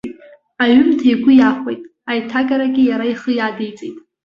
Аҩымҭа игәы иахәеит, аиҭагарагьы иара ихы иадиҵеит.